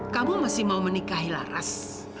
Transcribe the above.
kamu masih mau menikahi laras